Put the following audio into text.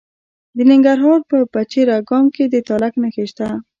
د ننګرهار په پچیر اګام کې د تالک نښې شته.